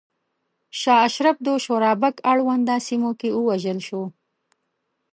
شاه اشرف د شورابک اړونده سیمو کې ووژل شو.